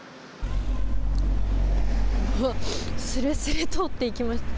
うわっ、すれすれ通っていきました。